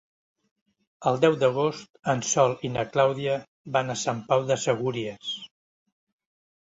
El deu d'agost en Sol i na Clàudia van a Sant Pau de Segúries.